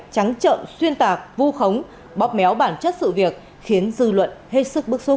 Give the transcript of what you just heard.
trắng trợn xuyên tạc vu khống bóp méo bản chất sự việc khiến dư luận hết sức bức xúc